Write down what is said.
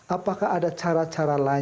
apakah ada cara cara lain